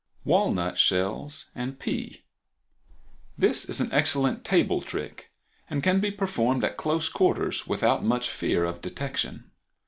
Walnut Shells and Pea.—This is an excellent table trick, and can be performed at close quarters without much fear of detection.